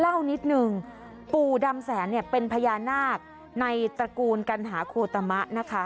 เล่านิดนึงปู่ดำแสนเนี่ยเป็นพญานาคในตระกูลกัณหาโคตมะนะคะ